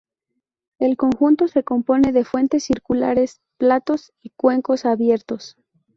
El conjunto se compone de fuentes circulares, platos y cuencos abiertos.